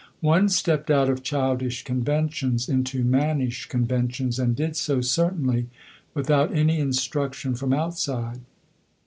One stepped out of childish conventions into mannish conventions, and did so, certainly, without any instruction from outside.